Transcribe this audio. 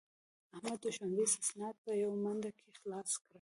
احمد د ښوونځي اسناد په یوه منډه کې خلاص کړل.